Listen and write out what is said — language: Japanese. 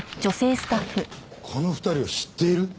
この２人を知っている！？